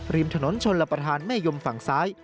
ริมถนนชนรับประทานแม่ยมฝั่งซ้าย